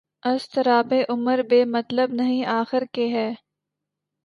اضطرابِ عمر بے مطلب نہیں آخر کہ ہے